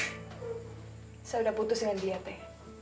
saya sudah putus dengan dia teh